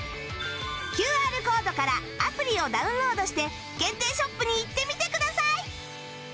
ＱＲ コードからアプリをダウンロードして限定ショップに行ってみてください